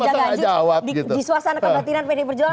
masa gak menimbulkan gonjang ganjing di suasana kematian pdi perjuangan